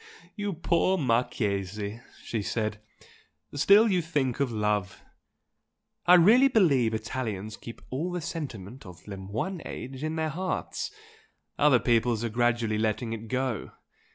"You poor Marchese!" she said "Still you think of love! I really believe Italians keep all the sentiment of le moyen age in their hearts, other peoples are gradually letting it go.